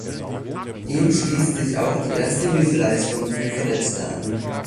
Dem schließt sich auch die Erste-Hilfe-Leistung für Verletzte an.